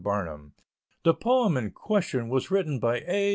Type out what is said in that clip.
BARNUM: The poem in question was written by A.